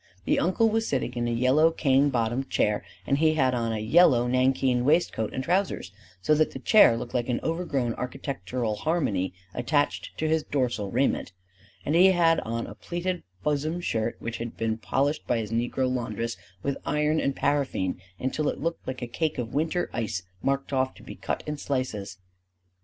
The uncle was sitting in a yellow cane bottom chair; and he had on a yellow nankeen waistcoat and trousers; so that the chair looked like an overgrown architectural harmony attached to his dorsal raiment; and he had on a pleated bosom shirt which had been polished by his negro laundress with iron and paraffine until it looked like a cake of winter ice marked off to be cut in slices.